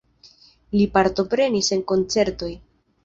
Li partoprenis en koncertoj.